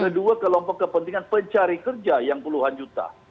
kedua kelompok kepentingan pencari kerja yang puluhan juta